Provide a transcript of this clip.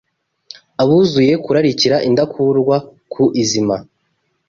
abuzuye kurarikira, indakurwa ku izima